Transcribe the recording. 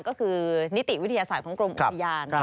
ก็คือนิติวิทยาศาสตร์ของกรมอุทยาน